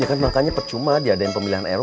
ya kan makanya percuma diadain pemilihan rw